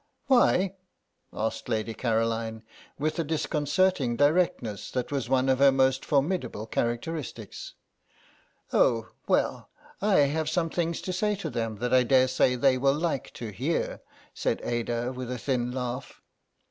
"Why?" asked Lady Caroline, with a disconcerting directness that was one of her most formidable characteristics. "Oh, well, I have some things to say to them that I daresay they will like to hear," said Ada, with a thin laugh.